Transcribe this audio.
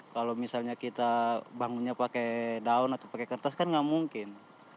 kalau misalnya kita bangunnya pakai daun atau pakai kertas kan nggak mungkin